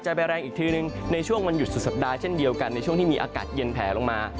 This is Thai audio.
ไปแรงอีกทีหนึ่งในช่วงวันหยุดสุดสัปดาห์เช่นเดียวกันในช่วงที่มีอากาศเย็นแผลลงมา